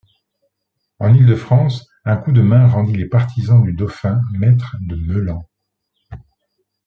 En Île-de-France, un coup de main rendit les partisans du Dauphin maîtres de Meulan.